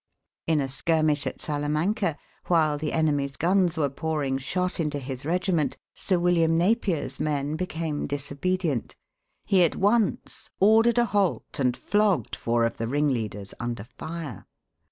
In a skirmish at Salamanca, while the enemy's guns were pouring shot into his regiment, Sir William Napier's men became disobedient. He at once ordered a halt, and flogged four of the ringleaders under fire.